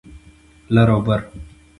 لر او بر